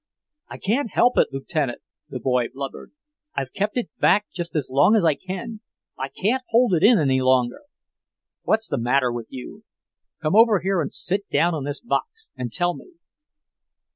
"I can't help it, Lieutenant," the boy blubbered. "I've kept it back just as long as I can. I can't hold in any longer!" "What's the matter with you? Come over here and sit down on this box and tell me."